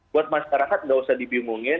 buat masyarakat nggak usah dibingungin